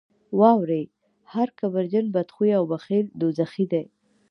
واورئ هر کبرجن، بدخویه او بخیل دوزخي دي.